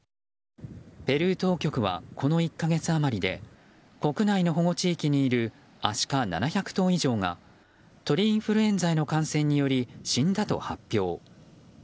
ペルー当局は、この１か月余りで国内の保護地域にいるアシカ７００頭以上が鳥インフルエンザへの感染により死んだと発表。